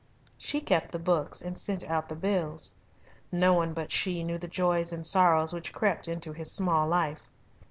She kept the books and sent out the bills. No one but she knew the joys and sorrows which crept into his small life.